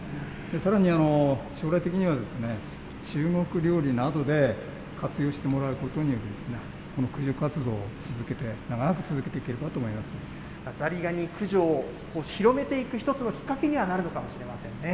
さらに、将来的には中国料理などで活用してもらうことによって、この駆除活動を続けて、ザリガニ駆除を広めていく一つのきっかけにはなるのかもしれませんね。